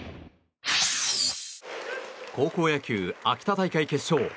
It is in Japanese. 高校野球、秋田大会決勝。